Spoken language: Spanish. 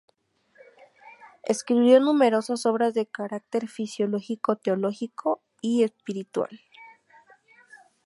Escribió numerosas obras de carácter filosófico-teológico y espiritual.